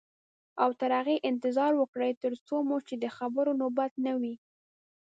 او تر هغې انتظار وکړئ تر څو مو چې د خبرو نوبت نه وي.